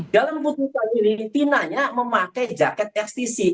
dalam pukul dua puluh satu ini tinanya memakai jaket stc